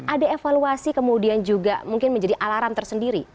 ada evaluasi kemudian juga mungkin menjadi alarm tersendiri